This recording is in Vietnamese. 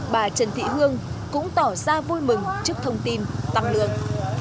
bà trần thị hương cũng tỏ ra vui mừng trước thông tin tăng lương